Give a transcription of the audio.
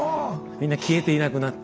みんな消えていなくなって。